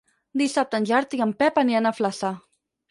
Dissabte en Gerard i en Pep aniran a Flaçà.